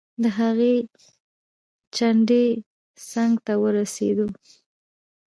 د هغې چنډې څنګ ته ورسیدو.